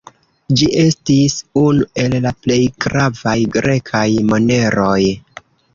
Ĝi estis unu el la plej gravaj grekaj moneroj.